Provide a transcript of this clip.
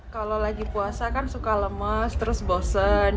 kalau lagi puasa kan suka lemes terus bosen